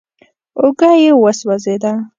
اوږه يې وسوځېده.